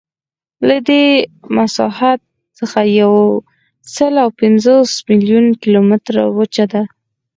له دې مساحت څخه یوسلاوهپینځهپنځوس میلیونه کیلومتره وچه ده.